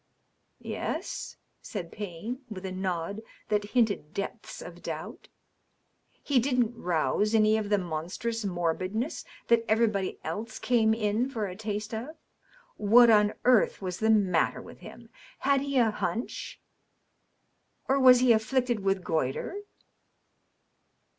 "Yes?" said Payne, with a nod that hinted depths of doubt. "He didn't rouse any of the monstrous morbidness that everybody else came in for a taste of? What on earth was the matter with him ? Had he a hunch ? Or was he afflicted with goitre